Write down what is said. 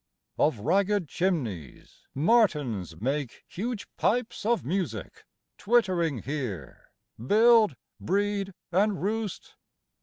3. Of ragged chimneys martins make Huge pipes of music; twittering here Build, breed, and roost.